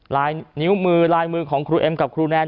ลายนิ้วมือลายมือของครูเอ็มกับครูแนน